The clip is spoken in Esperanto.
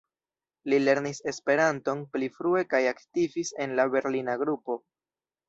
Li lernis Esperanton pli frue kaj aktivis en la berlina grupo.